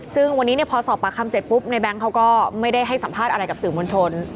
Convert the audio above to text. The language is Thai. ซึ่งวันนี้พอสอบปากคำเสร็จปุ๊บในแบงค์เขาก็ไม่ได้ให้สัมภาษณ์อะไรกับสื่อมวลชน